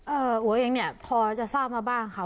เอ่ออู๋อะเองเนี่ยพอจะซ่าวมาบ้างค่ะ